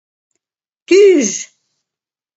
«Тӱж!